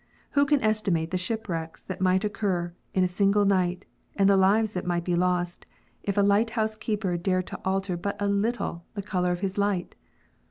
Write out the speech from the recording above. "Who can estimate the shipwrecks that might occur in a single night, and the lives that might be lost, if a light house keeper dared to alter but a little the colour of his light?